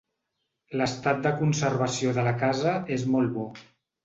L'estat de conservació de la casa és molt bo.